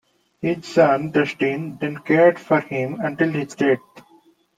His son Dustin then cared for him until his death.